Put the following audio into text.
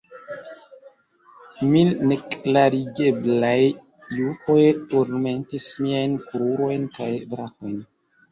Mil neklarigeblaj jukoj turmentis miajn krurojn kaj brakojn.